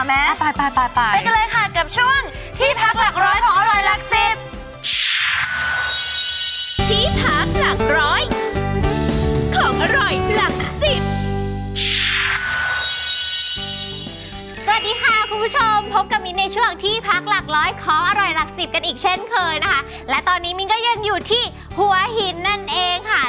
บ้าไปบ้าจังบ้าจังจริง